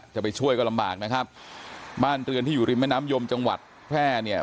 จะไปช่วยก็ลำบากนะครับบ้านเรือนที่อยู่ริมแม่น้ำยมจังหวัดแพร่เนี่ย